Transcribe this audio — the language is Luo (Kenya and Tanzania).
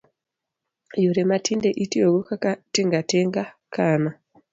Yore ma tinde itiyogo kaka tinga tinga, kano